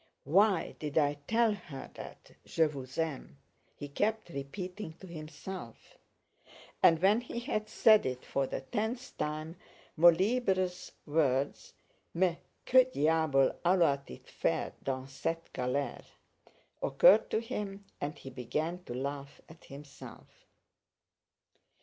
"Why did I tell her that 'Je vous aime'?" he kept repeating to himself. And when he had said it for the tenth time, Molière's words: "Mais que diable allait il faire dans cette galère?" * occurred to him, and he began to laugh at himself.